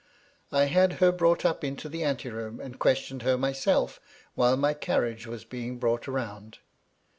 I had her brought up into the anteroom, and questioned her myself, while my carriage was being brought round.